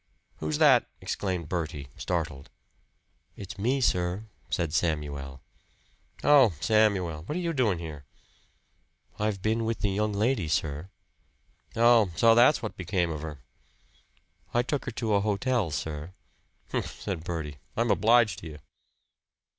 "Who's that?" exclaimed Bertie, startled. "It's me, sir," said Samuel. "Oh! Samuel! What are you doing here?" "I've been with the young lady, sir." "Oh! So that's what became of her!" "I took her to a hotel, sir." "Humph!" said Bertie. "I'm obliged to you."